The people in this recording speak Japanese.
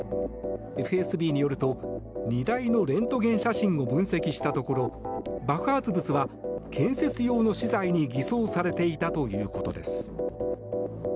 ＦＳＢによると、荷台のレントゲン写真を分析したところ爆発物は建設用の資材に偽装されていたということです。